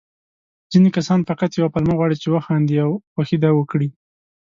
ځيني کسان فقط يوه پلمه غواړي، چې وخاندي او خوښي وکړي.